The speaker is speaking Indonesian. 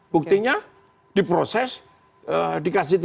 buktinya di proses dikasih tiga ratus empat puluh satu